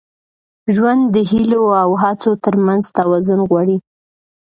ژوند د هیلو او هڅو تر منځ توازن غواړي.